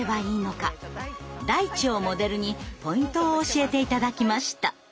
ダイチをモデルにポイントを教えて頂きました。